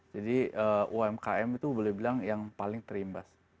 jadi umkm itu boleh dibilang yang paling terimbas